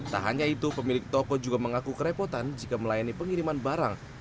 tak hanya itu pemilik toko juga mengaku kerepotan jika melayani pengiriman barang